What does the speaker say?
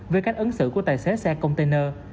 về cách ấn xử của tài xế xe container